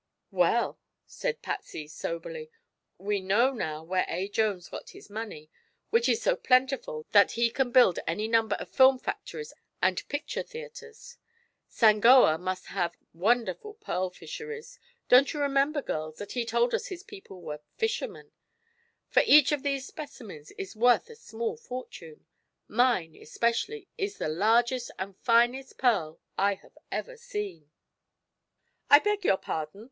"Well," said Patsy soberly, "we know now where A. Jones got his money, which is so plentiful that he can build any number of film factories and picture theatres. Sangoa must have wonderful pearl fisheries don't you remember, girls, that he told us his people were fishermen? for each of these specimens is worth a small fortune. Mine, especially, is the largest and finest pearl I have ever seen." "I beg your pardon!"